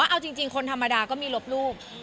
เอาจริงคนธรรมดาก็มีลบรูป